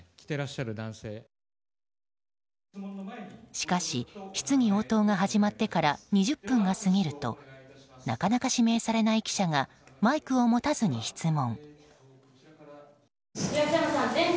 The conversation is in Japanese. しかし質疑応答が始まってから２０分が過ぎるとなかなか指名されない記者がマイクを持たずに質問。